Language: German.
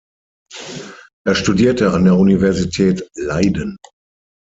Er studierte an der Universität Leiden.